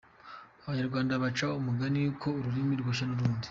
Abanyarwanda baca umugani ko ururimi rwoshywa n’urundi.